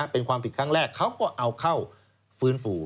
เป็นความผิดครั้งแรกเขาก็เอาเข้าฟื้นฟู